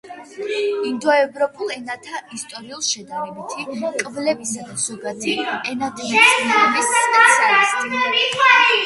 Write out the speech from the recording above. ინდოევროპულ ენათა ისტორიულ-შედარებითი კვლევისა და ზოგადი ენათმეცნიერების სპეციალისტი.